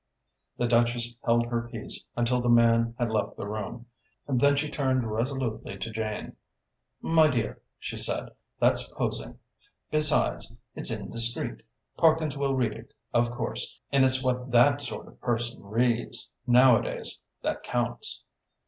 The Duchess held her peace until the man had left the room. Then she turned resolutely to Jane. "My dear," she said, "that's posing. Besides, it's indiscreet. Parkins will read it, of course, and it's what that sort of person reads, nowadays, that counts.